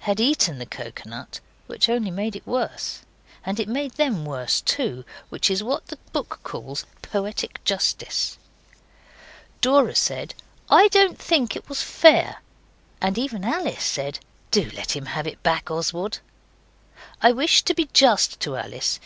had eaten the coconut, which only made it worse. And it made them worse too which is what the book calls poetic justice. Dora said, 'I don't think it was fair,' and even Alice said 'Do let him have it back, Oswald.' I wish to be just to Alice.